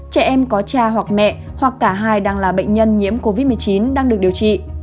trẻ em có cha hoặc mẹ hoặc cả hai đang là bệnh nhân nhiễm covid một mươi chín đang được điều trị